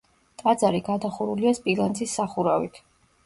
ტაძარი გადახურულია სპილენძის სახურავით.